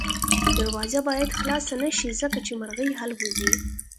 دروازه باید خلاصه نه شي ځکه چې مرغۍ الوځي.